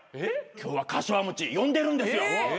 今日はかしわ餅呼んでるんですよ。